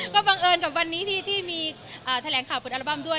ก็บังเอิญกับวันนี้ที่มีแถลงข่าวคุณอัลบั้มด้วย